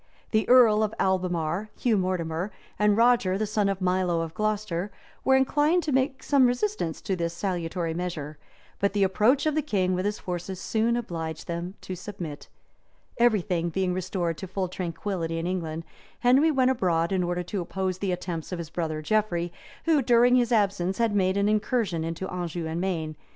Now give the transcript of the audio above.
The earl of Albemarle, Hugh Mortimer, and Roger the son of Milo of Glocester, were inclined to make some resistance to this salutary measure; but the approach of the king with his forces soon obliged them to submit. {1156.} Everything being restored to full tranquillity in England, Henry went abroad in order to oppose the attempts of his brother Geoffrey, who, during his absence, had made an incursion into Anjou and Maine, {1157.